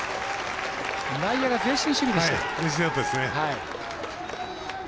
内野が前進守備でした。